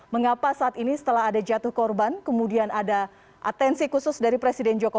mengapa saat ini setelah ada jatuh korban kemudian ada atensi khusus dari presiden jokowi